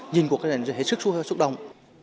nhìn cuộc chiến này rất là sức súc động